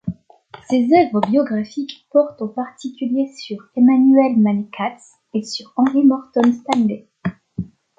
Ses œuvres biographiques portent en particulier sur Emmanuel Mané-Katz et sur Henry Morton Stanley.